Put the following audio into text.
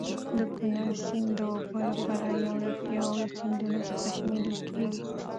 د کونړ سیند د اوبو له پلوه یو له پیاوړو سیندونو څخه شمېرل کېږي.